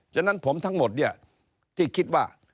ฉะนั้นผมทั้งหมดเนี่ยที่คิดว่า